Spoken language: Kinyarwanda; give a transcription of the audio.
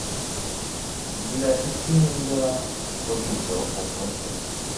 gira icyo uhindura kuri ibyo uvuze